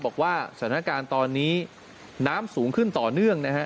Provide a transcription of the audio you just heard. บอกว่าสถานการณ์ตอนนี้น้ำสูงขึ้นต่อเนื่องนะฮะ